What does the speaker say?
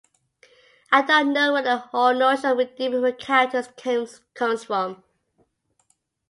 I don't know where the whole notion of redeeming characters comes from.